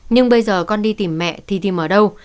nhưng bây giờ con đi tìm mẹ thì tìm ở đâu